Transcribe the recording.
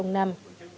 nói chung năm